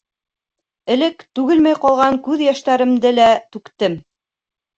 Элек түгелмәй ҡалған күҙ йәштәремде лә түктем.